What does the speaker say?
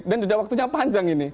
dan jeda waktunya panjang ini